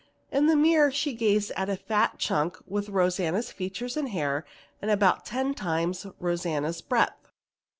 In the mirror she gazed at a fat chunk with Rosanna's features and hair and about ten times Rosanna's breadth.